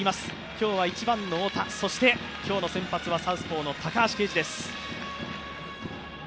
今日は１番・太田今日の先発はサウスポーの高橋奎二です。